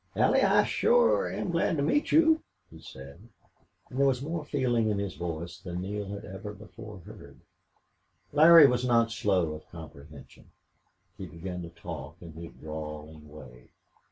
"Allie I shore am glad to meet you," he said, and there was more feeling in his voice than Neale had ever before heard. Larry was not slow of comprehension. He began to talk in his drawling way.